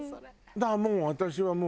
だからもう私はもう。